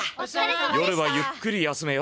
夜はゆっくり休めよ。